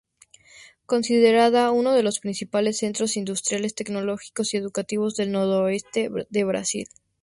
Considerada uno de los principales centros industriales, tecnológicos y educativos del Nordeste de Brasil.